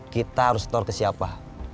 kita harus store ke siapa